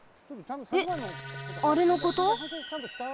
えっあれのこと？